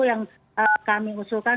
yang kami usulkan